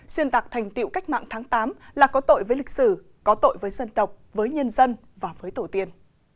xuyên tạc thành tiệu cách mạng tháng tám là có tội với lịch sử có tội với dân tộc với nhân dân và với tổ tiên